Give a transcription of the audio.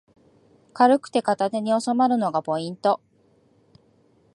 軽くて片手におさまるのがポイント